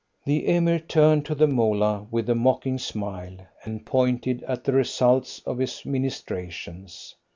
The Emir turned to the Moolah with a mocking smile, and pointed at the results of his ministrations.